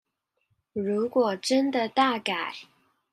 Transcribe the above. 如果真的大改